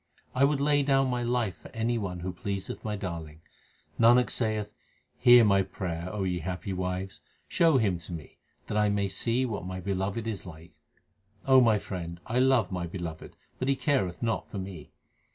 1 would lay down my life for any one who pleased my Darling. Nanak saith, hear my prayer, O ye happy wives, show Him to me, that I may see what my Beloved is like. O my friend, I love my Beloved, but He careth not for me.